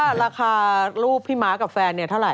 สรุปว่าราคารูปพี่ม้ากับแฟนเนี่ยเท่าไหร่